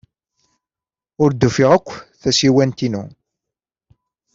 Ur d-ufiɣ akk tasiwant-inu.